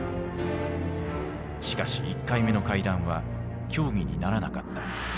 しかし１回目の会談は協議にならなかった。